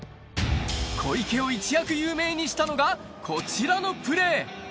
小池を一躍有名にしたのが、こちらのプレー。